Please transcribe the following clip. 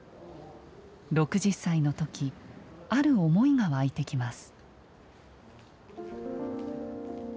６０歳の時ある思いが湧いてきます。